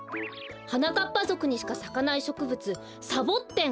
はなかっぱぞくにしかさかないしょくぶつサボッテン。